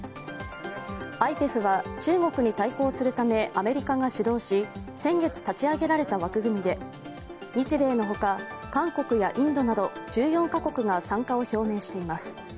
ＩＰＥＦは中国に対抗するためアメリカが主導し先月、立ち上げられた枠組みで、日米の他、韓国やインドなど１４カ国が参加を表明しています。